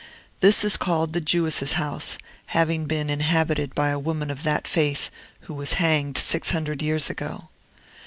This is called the Jewess's House, having been inhabited by a woman of that faith who was hanged six hundred years ago.